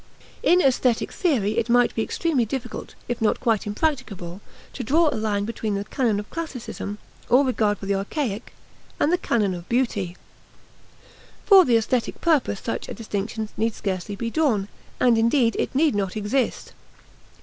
In aesthetic theory it might be extremely difficult, if not quite impracticable, to draw a line between the canon of classicism, or regard for the archaic, and the canon of beauty. For the aesthetic purpose such a distinction need scarcely be drawn, and indeed it need not exist.